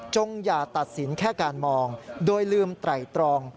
อย่าตัดสินแค่การมองโดยลืมไตรตรอง